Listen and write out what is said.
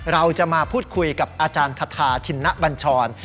เราจะมาพูดคุยกับอาจารย์คาทาชินบัญชร